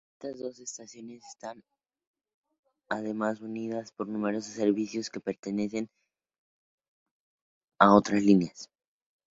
Estas dos estaciones están además unidas por numerosos servicios que pertenecen a otras líneas.